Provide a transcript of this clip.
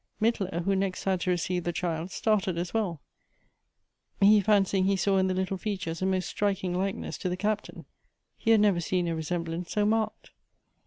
Mittler, who next had to receive the child, started as well ; he fancying he saw in the little features a most striking like ness to the Captain. He had never seen a resemblance 80 marked.